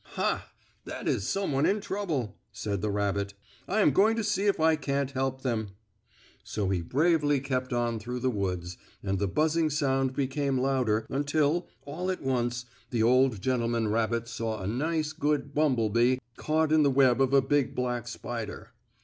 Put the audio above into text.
"Ha! That is some one in trouble!" said the rabbit. "I'm going to see if I can't help them." So he bravely kept on through the woods, and the buzzing sound became louder, until, all at once, the old gentleman rabbit saw a nice, good bumble bee caught in the web of a big, black spider.